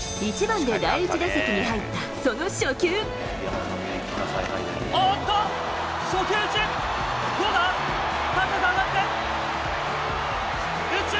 １番で第１打席に入ったそのおっと、初球打ち。